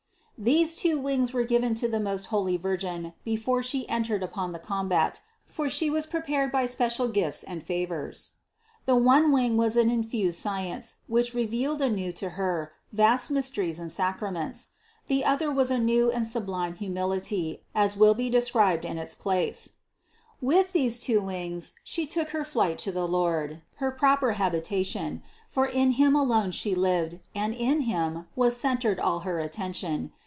These two wings were given to the most holy Virgin before She entered upon the combat, for She was prepared by 10 122 CITY OF GOD special gifts and favors. The one wing was an infused science, which revealed anew to Her vast mysteries and sacraments; the other was a new and sublime humility, as will be explained in its place (Part II 335 339, Part III 448 450). With these two wings She took her flight to the Lord, her proper habitation, for in Him alone She lived and in Him was centered all her at tention.